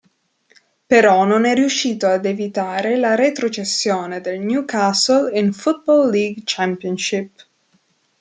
Però non è riuscito ad evitare la retrocessione del Newcastle in Football League Championship.